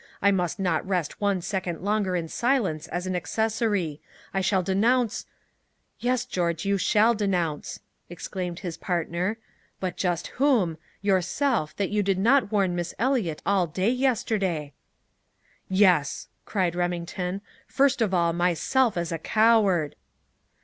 I must not rest one second longer in silence as an accessory. I shall denounce " "Yes, George, you shall denounce," exclaimed his partner. "But just whom yourself, that you did not warn Miss Eliot all day yesterday!" "Yes," cried Remington, "first of all, myself as a coward!"